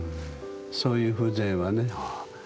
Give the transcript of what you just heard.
そういう風情はね。